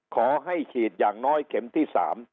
ขอให้ฉีดอย่างน้อยเข็มที่๓